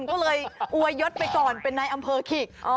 ก็เลยอวยยศไปก่อนเป็นนายอำเภอขิก